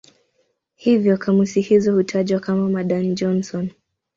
Hivyo kamusi hizo hutajwa kama "Madan-Johnson".